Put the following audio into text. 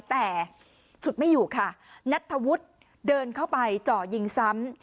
แต่สุดไม่อยู่ค่ะนัทธวุฒิเดินเข้าไปเจาะยิงซ้ำ